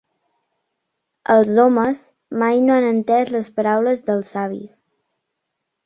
Els homes mai no han entès les paraules dels savis.